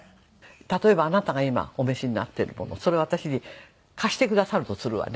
例えばあなたが今お召しになっているものそれを私に貸してくださるとするわね。